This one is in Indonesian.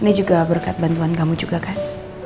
ini juga berkat bantuan kamu juga kan